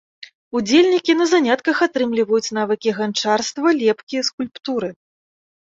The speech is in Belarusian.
Удзельнікі на занятках атрымліваюць навыкі ганчарства, лепкі, скульптуры.